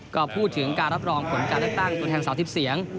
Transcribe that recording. ก็พูดถึงการรับรองผลการเลือกตั้งตัวแทน๓๐เสียง